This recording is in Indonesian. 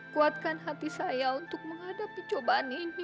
kuatkan hati saya untuk menghadapi cobaan ini